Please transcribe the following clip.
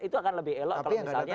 itu akan lebih elok kalau misalnya